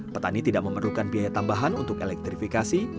petani tidak memerlukan biaya tambahan untuk elektrifikasi